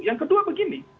yang kedua begini